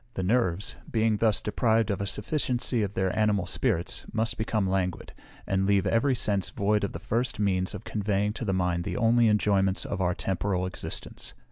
The nerves, being thus deprived of a sufficiency of their animal spirits, must become languid, and leave every sense void of the first means of conveying to the mind the only enjoyments of our temporal existence.